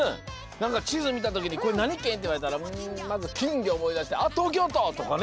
なんかちずみたときに「これなにけん？」っていわれたらまずきんぎょおもいだして「あっとうきょうと！」とかね。